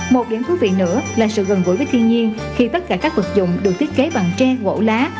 một điểm thú vị nữa là sự gần gũi với thiên nhiên khi tất cả các vật dụng được thiết kế bằng tre gỗ lá